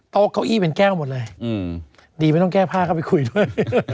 เก้าอี้เป็นแก้วหมดเลยดีไม่ต้องแก้ผ้าเข้าไปคุยด้วย